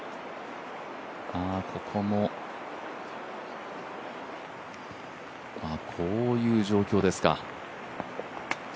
ここもこういう状況ですか。